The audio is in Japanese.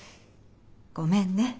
ごめんね。